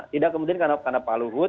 tidak kemudian karena paluhut